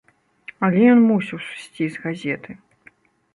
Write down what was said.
Але ён мусіў сысці з газеты.